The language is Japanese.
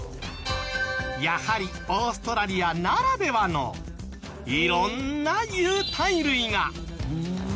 やはりオーストラリアならではの色んな有袋類が。